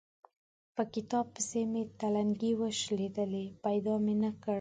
په کتاب پسې مې تلنګې وشلېدې؛ پيدا مې نه کړ.